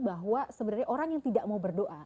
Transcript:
bahwa sebenarnya orang yang tidak mau berdoa